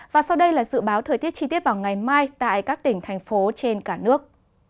và sau đây là dự báo thời tiết chi tiết vào ngày mai tại các tỉnh thành phố trên cả nước